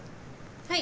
はい。